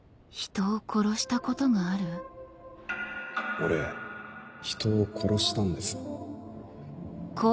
俺人を殺したんです